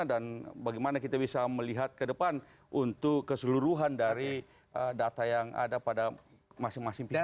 dan bagaimana kita bisa melihat kedepan untuk keseluruhan dari data yang ada pada masing masing pihak